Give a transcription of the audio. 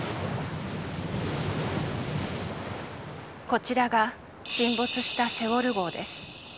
こちらが沈没したセウォル号です。